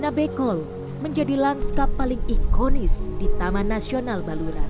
nabekol menjadi lanskap paling ikonis di taman nasional baluran